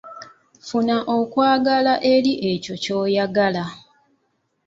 Funa okwagala eri ekyo ky'oyogerako.